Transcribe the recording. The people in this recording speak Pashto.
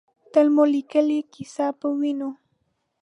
تل مو لیکلې ، کیسه پۀ وینو